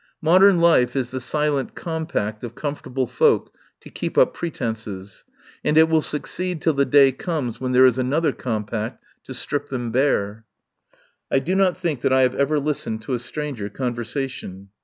Modern life is the silent compact of comfortable folk to keep up pretences. And it will succeed till the day comes when there is another com pact to strip them bare." 70 TELLS OF A MIDSUMMER NIGHT I do not think that I have ever listened to a stranger conversation.